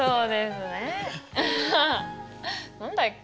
何だっけ？